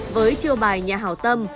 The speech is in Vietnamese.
với chiêu bài nhà hào tâm